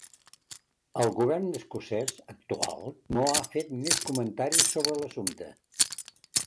El Govern escocès actual no ha fet més comentaris sobre l'assumpte.